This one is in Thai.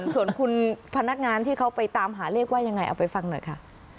ส่วนคุณพนักงานที่เขาไปตามหาเลขว่ายังไงเอาไปฟังหน่อยค่ะ